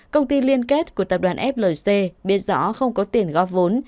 công ty liên kết của tập đoàn flc biết rõ không có tiền góp vốn